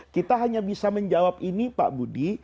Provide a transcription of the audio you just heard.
kita hanya bisa menjawab ini pak budi